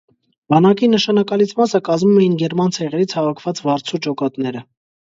Բանակի նշանակալից մասը կազմում էին գերման ցեղերից հավաքված վարձու ջոկատները։